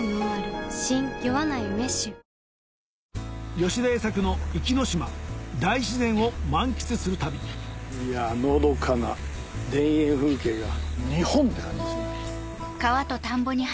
吉田栄作の壱岐島大自然を満喫する旅いやのどかな田園風景が日本！って感じですね。